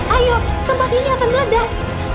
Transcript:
ayo tempat ini akan meledak